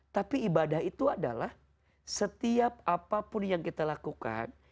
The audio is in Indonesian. tapi ibadah itu adalah setiap apapun yang kita lakukan